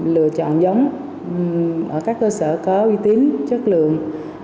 lựa chọn giống ở các cơ sở có uy tín chất lượng